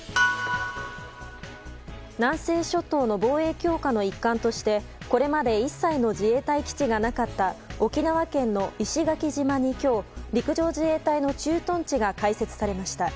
南西諸島の防衛強化の一環としてこれまで一切の自衛隊基地がなかった沖縄県の石垣島に今日陸上自衛隊の駐屯地が開設されました。